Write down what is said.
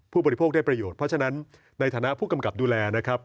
บริโภคได้ประโยชน์เพราะฉะนั้นในฐานะผู้กำกับดูแลนะครับ